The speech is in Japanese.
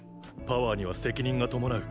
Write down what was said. パワーには責任が伴う。